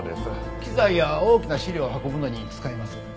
機材や大きな資料を運ぶのに使います。